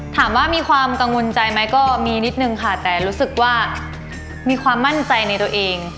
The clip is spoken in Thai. ถามว่ามีความกังวลใจไหมก็มีนิดนึงค่ะแต่รู้สึกว่ามีความมั่นใจในตัวเอง